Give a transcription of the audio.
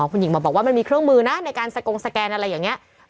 คุณหญิงหมอบอกว่ามันมีเครื่องมือนะในการสกงสแกนอะไรอย่างนี้